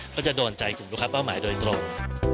ก็จะโดนใจกลุ่มลูกค้าเป้าหมายโดยตรง